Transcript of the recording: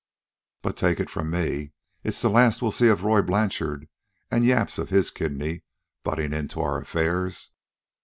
"But take it from me, it's the last we'll see of Roy Blanchard an' yaps of his kidney buttin' into our affairs.